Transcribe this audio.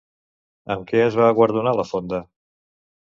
Amb què es va guardonar la fonda?